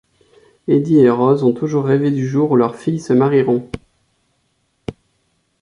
Eddie et Rose ont toujours rêvé du jour où leurs filles se marieront.